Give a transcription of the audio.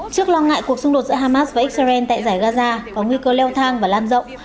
trước lo ngại cuộc xung đột giữa hamas và israel tại giải gaza có nguy cơ leo thang và lan rộng